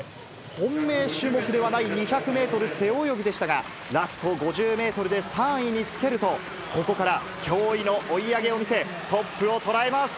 本命種目ではない２００メートル背泳ぎでしたが、ラスト５０メートルで３位につけると、ここから驚異の追い上げを見せ、トップを捉えます。